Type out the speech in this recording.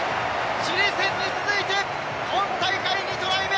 チリ戦に続いて、今大会２トライ目！